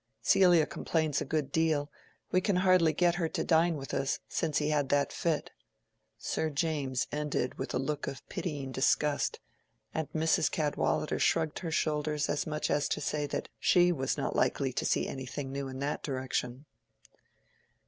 Celia complains a good deal. We can hardly get her to dine with us, since he had that fit." Sir James ended with a look of pitying disgust, and Mrs. Cadwallader shrugged her shoulders as much as to say that she was not likely to see anything new in that direction.